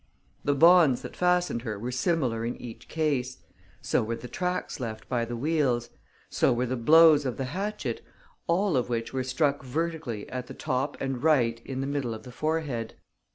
The bonds that fastened her were similar in each case; so were the tracks left by the wheels; so were the blows of the hatchet, all of which were struck vertically at the top and right in the middle of the forehead.